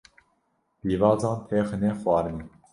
pîvazan têxine xwarinê